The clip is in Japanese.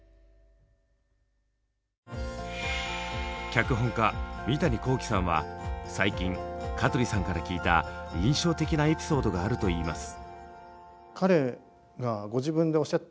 脚本家三谷幸喜さんは最近香取さんから聞いた印象的なエピソードがあるといいます。